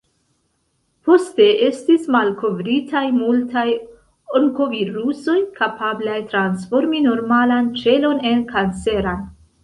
Poste estis malkovritaj multaj onkovirusoj, kapablaj transformi normalan ĉelon en kanceran.